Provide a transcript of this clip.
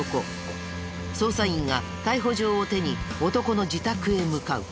捜査員が逮捕状を手に男の自宅へ向かう。